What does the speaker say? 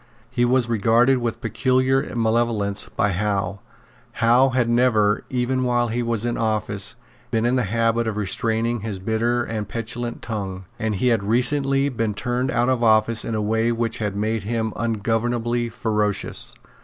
He was regarded with peculiar malevolence by Howe. Howe had never, even while he was in office, been in the habit of restraining his bitter and petulant tongue; and he had recently been turned out of office in a way which had made him ungovernably ferocious.